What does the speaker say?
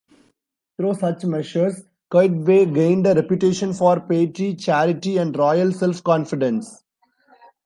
Through such measures Qaitbay gained a reputation for piety, charity, and royal self-confidence.